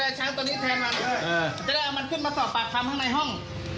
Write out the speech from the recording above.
แล้วเจ้าของช้างอยู่ไหน